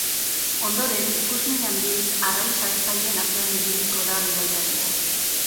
Ondoren, ikusmin handiz arrain saltzaileen artean ibiliko da bidaiaria.